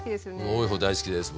多い方が好きですよね？